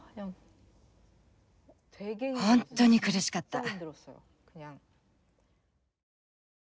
本当に苦しかった。